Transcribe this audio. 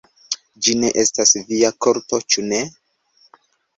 Ĝi ne estas via karto, ĉu ne?